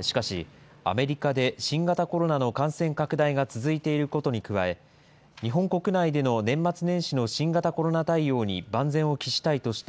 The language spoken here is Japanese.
しかし、アメリカで新型コロナの感染拡大が続いていることに加え、日本国内での年末年始の新型コロナ対応に万全を期したいとして、